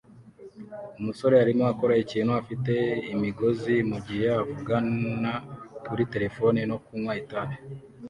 Umusore arimo akora ikintu afite imigozi mugihe avugana kuri terefone no kunywa itabi